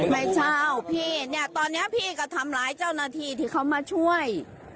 ไม่เช่าพี่เนี่ยตอนนี้พี่ก็ทำร้ายเจ้าหน้าที่ที่เขามาช่วย